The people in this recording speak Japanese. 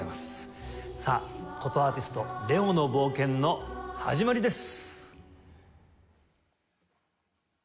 さあ箏アーティストＬＥＯの冒険の始まりです！